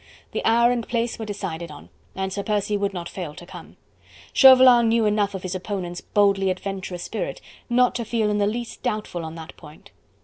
The hour and place were decided on and Sir Percy would not fail to come. Chauvelin knew enough of his opponent's boldly adventurous spirit not to feel in the least doubtful on that point.